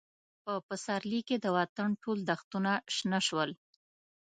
په پسرلي کې د وطن ټول دښتونه شنه شول.